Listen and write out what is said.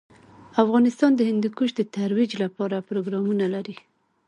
افغانستان د هندوکش د ترویج لپاره پروګرامونه لري.